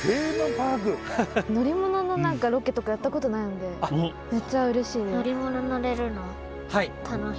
乗り物のロケとかやったことないのでめっちゃうれしいです。